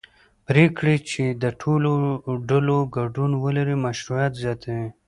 پرېکړې چې د ټولو ډلو ګډون ولري مشروعیت زیاتوي